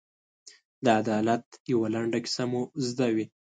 د عدالت یوه لنډه کیسه مو زده وي.